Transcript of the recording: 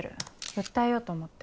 訴えようと思って。